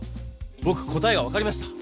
ぼく答えが分かりました。